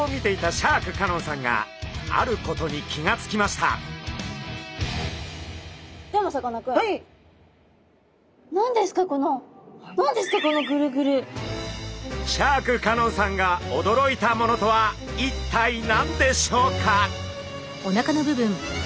シャーク香音さんがおどろいたものとは一体何でしょうか？